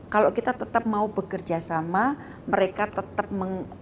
kalau kita tetap mau bekerjasama mereka tetap menghormati kita